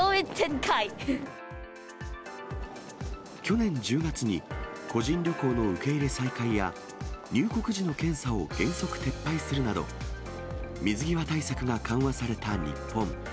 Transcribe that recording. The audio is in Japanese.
去年１０月に、個人旅行の受け入れ再開や、入国時の検査を原則撤廃するなど、水際対策が緩和された日本。